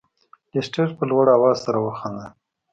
لیسټرډ په لوړ اواز سره وخندل.